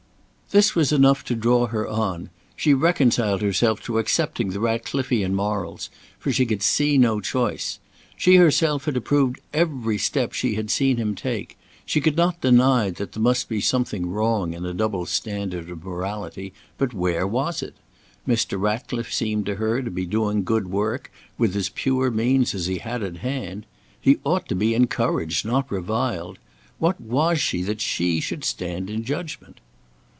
This was enough to draw her on. She reconciled herself to accepting the Ratcliffian morals, for she could see no choice. She herself had approved every step she had seen him take. She could not deny that there must be something wrong in a double standard of morality, but where was it? Mr. Ratcliffe seemed to her to be doing good work with as pure means as he had at hand. He ought to be encouraged, not reviled. What was she that she should stand in judgment?